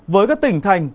với các tỉnh thành